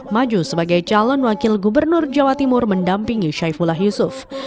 maju sebagai calon wakil gubernur jawa timur mendampingi syaifullah yusuf